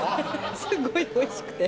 すごいおいしくて。